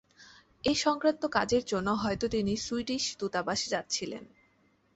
এ সংক্রান্ত কাজের জন্য হয়তো তিনি সুইডিশ দূতাবাসে যাচ্ছিলেন।